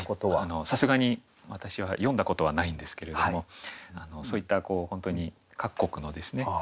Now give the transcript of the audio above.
さすがに私は詠んだことはないんですけれどもそういった本当に各国のですね